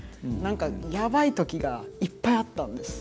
ヤバい時がいっぱいあったんです。